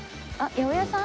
八百屋さん。